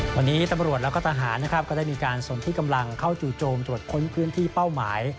วันนี้ต่ำรวจแลก็ทหารได้มีการสนที่กำลังเข้าจู่โจมจบทบค้นเคลื่อนที่เป้าหมาย